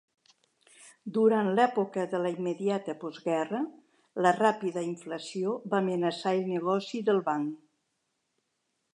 Durant l'època de la immediata postguerra, la ràpida inflació va amenaçar el negoci del banc.